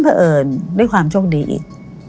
เพราะเอิญด้วยความโชคดีอีก